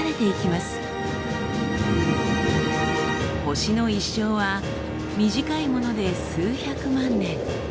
星の一生は短いもので数百万年。